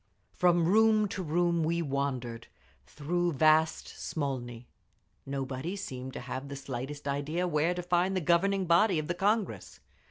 From room to room we wandered, through vast Smolny. Nobody seemed to have the slightest idea where to find the governing body of the Congress.